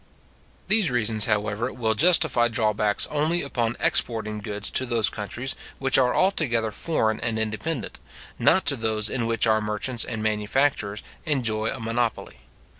These reasons, however, will justify drawbacks only upon exporting goods to those countries which are altogether foreign and independent, not to those in which our merchants and manufacturers enjoy a monopoly.